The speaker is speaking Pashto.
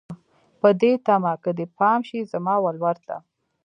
په دې تمه که دې پام شي زما ولور ته